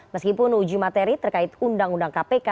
meskipun uji materi terkait undang undang kpk